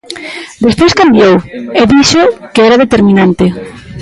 Despois cambiou e dixo que era determinante.